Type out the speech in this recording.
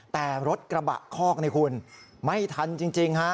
แต่รถกระบะคอกนี่คุณไม่ทันจริงฮะ